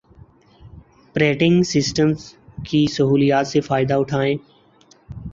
پریٹنگ systems کی سہولیات سے فائدہ اٹھائیں